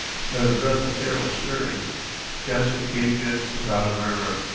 Not a breath of air was stirring. Jansen gave in without a murmur.